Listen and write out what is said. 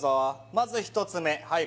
まず１つ目はい